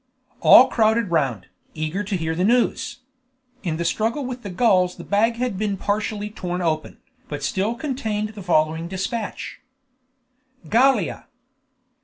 All crowded round, eager to hear the news. In the struggle with the gulls the bag had been partially torn open, but still contained the following dispatch: "Gallia!